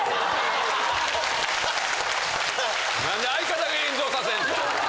何で相方が炎上させんねん。